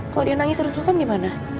kalau dia nangis rus rusan gimana